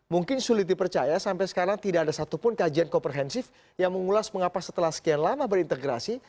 mungkin sulit dipercaya sampai sekarang tidak ada satupun kajian komprehensif yang mengulas mengapa setelah sekian lama berintegrasi